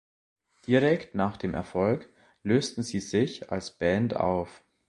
Direkt nach dem Erfolg lösten sie sich als Band auf.